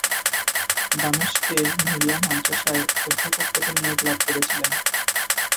দামেশকের নূরিয়া মাদ্রাসায় অধ্যাপক পদে নিয়োগ লাভ করেছিলেন।